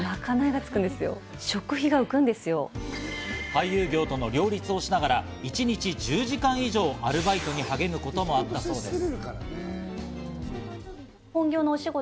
俳優業との両立をしながら一日１０時間以上、アルバイトに励むこともあったそうです。